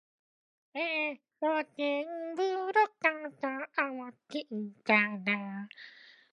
These photos might help you decide.